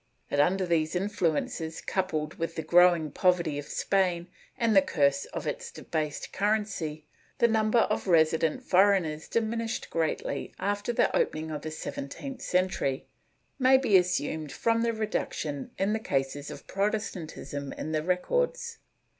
^ That, under these influences, coupled with the growing poverty of Spain and the curse of its debased currency, the number of resident foreigners diminished greatly after the opening of the seventeenth century, may be assumed from the reduction in the cases of Protestantism in the records.